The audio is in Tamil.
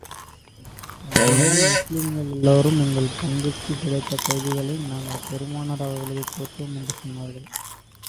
உடனே முஸ்லிம்கள் எல்லோரும் எங்கள் பங்குக்கு கிடைத்த கைதிகளையும் நாங்கள் பெருமானார் அவர்களுக்குக் கொடுத்தோம் என்று சொன்னார்கள்.